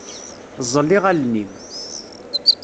Ẓẓel iɣallen-im.